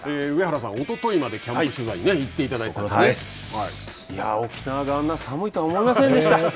上原さん、おとといまでキャンプ取材に行っていただきました。